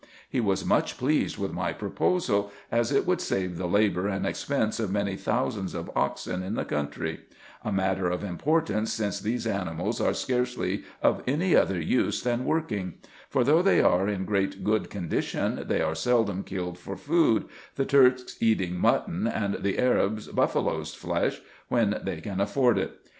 He was much pleased with my proposal, as it would save the labour and expense of many thousands of oxen in the country ; a matter of importance, since these animals are scarcely of any other use than working ; for, though they are in pretty good condition, they are seldom killed for food, the Turks eating mutton, and the Arabs buffalo's flesh, when they can afford it.